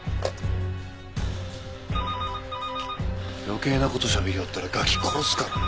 余計な事しゃべりよったらガキ殺すからな。